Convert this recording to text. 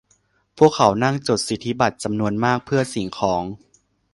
พวกเขานั่งจดสิทธิบัตรจำนวนมากเพื่อสิ่งของ